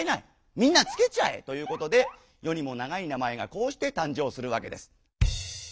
みんなつけちゃえということでよにも長い名前がこうしてたん生するわけです。